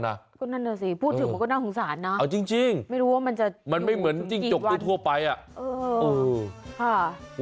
ก็นั่นแหละสิพูดถึงว่าก็น่าสงสารนะเอาจริงไม่รู้ว่ามันจะอยู่ถึงกี่วันมันไม่เหมือนจิ้งจกตัวทั่วไปอ่ะ